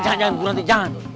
jangan jangan gue nanti jangan